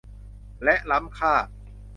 และล้ำค่า